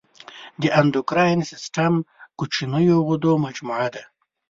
د اندوکراین سیستم کوچنیو غدو مجموعه ده.